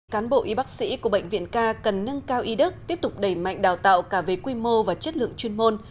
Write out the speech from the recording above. cán bộ y bác sĩ của bệnh viện ca cần nâng cao y đức tiếp tục đẩy mạnh đào tạo cả về quy mô và chất lượng chuyên môn